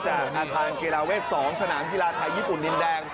จากอาทางเกราะเวส๒สนามธีราไทยญี่ปุ่นดินแดง